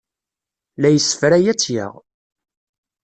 La yessefray ad tt-yaɣ.